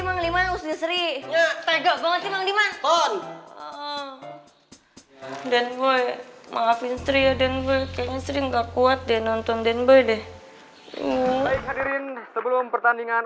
dan gue maafin sri dan gue sering gak kuat deh nonton dan boleh sebelum pertandingan